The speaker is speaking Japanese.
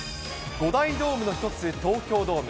５大ドームの１つ、東京ドーム。